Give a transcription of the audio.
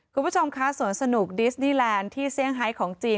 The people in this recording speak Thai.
คุณผู้ชมคะสวนสนุกดิสนีแลนด์ที่เซี่ยงไฮของจีน